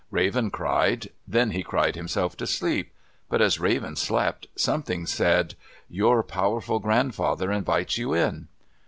Raven cried; then he cried himself to sleep; but as Raven slept, something said, "Your powerful grandfather invites you in."